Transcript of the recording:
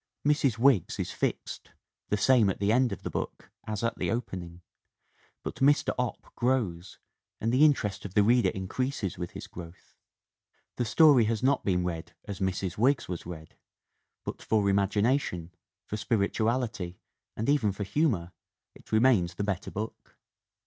"Mrs. Wiggs is fixed, the same at the end of the book as at the opening; but Mr. Opp grows, and the interest of the reader increases with his growth. The story has not been read as Mrs. Wiggs was read, but for imagination, for spirituality, and even for humor, it remains the better book.